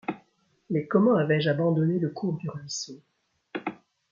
Mais comment avais-je abandonné le cours du ruisseau ?